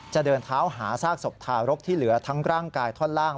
เดินเท้าหาซากศพทารกที่เหลือทั้งร่างกายท่อนล่าง